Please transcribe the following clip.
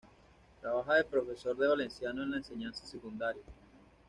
Trabaja de profesor de valenciano en la enseñanza secundaria.